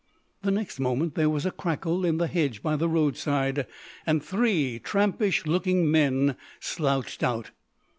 The next moment there was a crackle in the hedge by the roadside, and three trampish looking men slouched out.